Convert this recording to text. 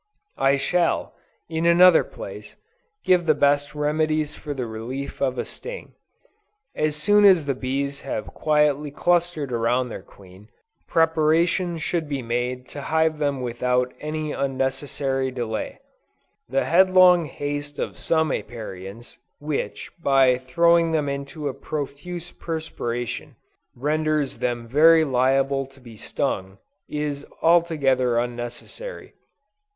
I shall, in another place, give the best remedies for the relief of a sting. As soon as the bees have quietly clustered around their queen, preparation should be made to hive them without any unnecessary delay. The headlong haste of some Apiarians, which, by throwing them into a profuse perspiration, renders them very liable to be stung, is altogether unnecessary.